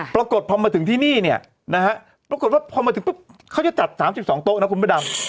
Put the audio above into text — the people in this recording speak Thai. ปรากฏพอมาถึงที่นี่เนี่ยนะฮะปรากฏว่าพอมาถึงปุ๊บเขาจะจัด๓๒โต๊ะนะคุณพระดำ